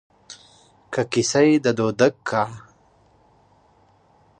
که کيسه يې د دوتک کا